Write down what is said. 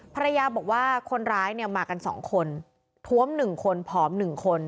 ภรรยาบอกว่าคนร้ายเนี่ยมากัน๒คนท้วม๑คนผอม๑คน